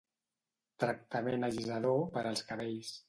Tractament allisador per als cabells.